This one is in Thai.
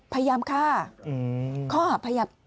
พยายามฆ่าข้อหาพยายาม